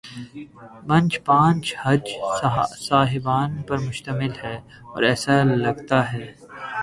Bench پانچ جج صاحبان پر مشتمل ہے، اور ایسا لگتا ہے۔